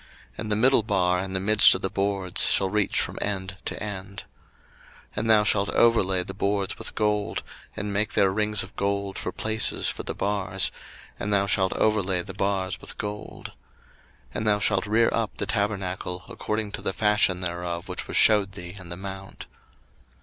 02:026:028 And the middle bar in the midst of the boards shall reach from end to end. 02:026:029 And thou shalt overlay the boards with gold, and make their rings of gold for places for the bars: and thou shalt overlay the bars with gold. 02:026:030 And thou shalt rear up the tabernacle according to the fashion thereof which was shewed thee in the mount.